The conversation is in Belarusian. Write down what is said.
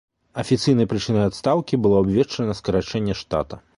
Афіцыйнай прычынай адстаўкі было абвешчана скарачэнне штата.